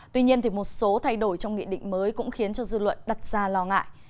tuy nhiên một số thay đổi trong nghị định mới cũng khiến cho dư luận đặt ra lo ngại